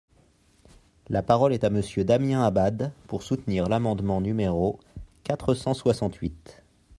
La parole est à Monsieur Damien Abad, pour soutenir l’amendement numéro quatre cent soixante-huit.